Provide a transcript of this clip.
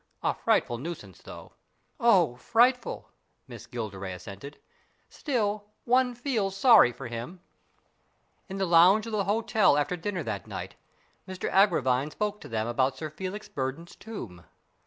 A frightful nuisance, though." " Oh, frightful !" Miss Gilderay assented. " Still, one feels sorry for him." In the lounge of the hotel after dinner that 69 70 STORIES IN GREY night Mr Agravine spoke to them about Sir Felix Burdon's tomb.